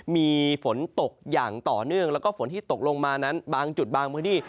มีฝนตกอย่างต่อเนื่องแล้วก็ฝนที่ตกลงมานั้นบางจุดบางพื้นที่